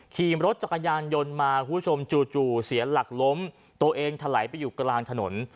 ขี่รถจักรยานยนต์มาคุณผู้ชมจู่เสียหลักล้มตัวเองถลายไปอยู่กลางถนน